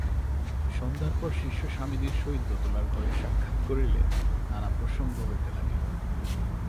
সন্ধার পর শিষ্য স্বামীজীর সহিত দোতলার ঘরে সাক্ষাৎ করিলে নানা প্রসঙ্গ হইতে লাগিল।